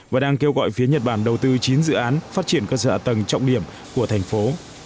và đang kêu gọi phía nhật bản đầu tư chín dự án phát triển cơ sở ạ tầng trọng điểm của thành phố